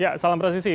ya salam presisi